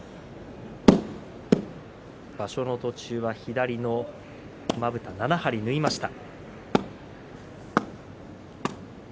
場所の途中は左のまぶた７針、縫いました。